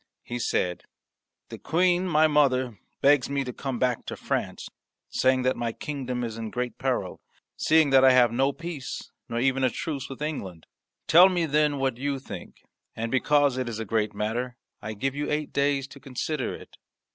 He said, "The Queen, my mother, begs me to come back to France, saying that my kingdom is in great peril seeing, that I have no peace, nor even a truce, with England. Tell me, then, what you think. And because it is a great matter, I give you eight days to consider it."